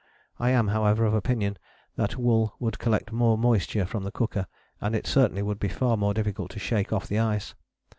I am, however, of opinion that wool would collect more moisture from the cooker, and it certainly would be far more difficult to shake off the ice.